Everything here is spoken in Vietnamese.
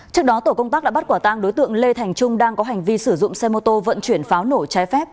trước đó tổ công tác đã bắt quả tang đối tượng lê thành trung đang có hành vi sử dụng xe mô tô vận chuyển pháo nổ trái phép